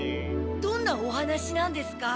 どんなお話なんですか？